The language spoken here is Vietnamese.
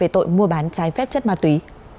tội mua bán trái phép chất ma túy